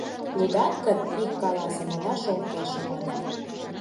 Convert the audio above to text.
Лӱдат гын, вик каласе: «Модаш ом келше», — ман.